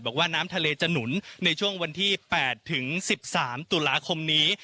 บอกว่าน้ำทะเลจะหนุนในช่วงวันที่๘ถึง๑๓ตุลาคมนี้